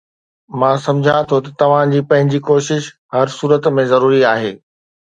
مان سمجهان ٿو ته توهان جي پنهنجي ڪوشش هر صورت ۾ ضروري آهي.